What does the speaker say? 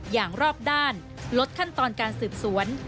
อย่างรอบด้านลดขั้นตอนการสืบสวน